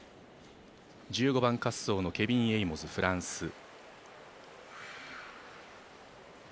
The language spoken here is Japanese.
１５番滑走のケビン・エイモズ、フランス。